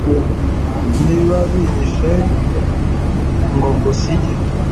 niba binyishe ngo ngusige